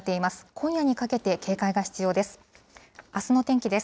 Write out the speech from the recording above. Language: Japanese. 今夜にかけて、警戒が必要です。